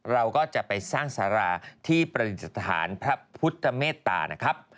เราก็จะไปสร้างสาราที่ประดิษฐานพระพุทธเมตตานะครับ